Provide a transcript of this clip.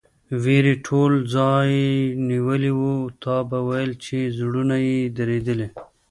وېرې ټول ځای نیولی و، تا به ویل چې زړونه یې درېدلي.